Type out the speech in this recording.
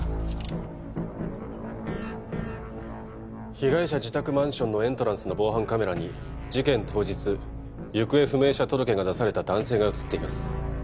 被害者自宅マンションのエントランスの防犯カメラに事件当日行方不明者届が出された男性が写っています